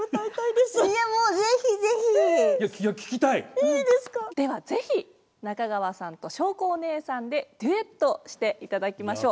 では是非中川さんとしょうこお姉さんでデュエットしていただきましょう。